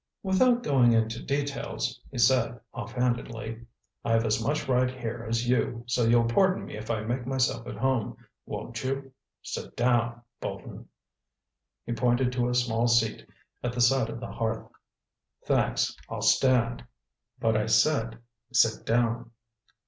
"Without going into details," he said offhandedly, "I've as much right here as you, so you'll pardon me if I make myself at home, won't you? Sit down—sit down, Bolton." He pointed to a small seat at the side of the hearth. "Thanks, I'll stand." "But I said, sit down!"